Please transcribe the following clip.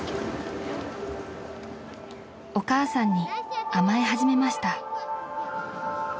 ［お母さんに甘え始めました］